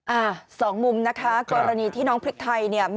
อ่าสองมุมนะคะกรณีที่น้องพริกไทยเนี่ย